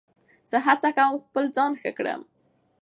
زه هڅه کوم خپل ځان ښه کړم.